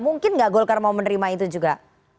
mungkin nggak golkar mau menerima itu juga